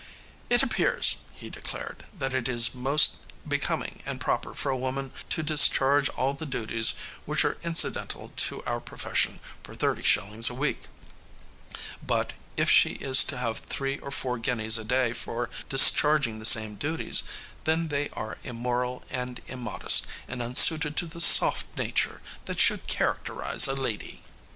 "It appears," he declared, "that it is most becoming and proper for a woman to discharge all the duties which are incidental to our profession for thirty shillings a week; but, if she is to have three or four guineas a day for discharging the same duties, then they are immoral and immodest and unsuited to the soft nature that should characterize a lady."